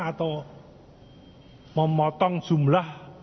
atau memotong jumlah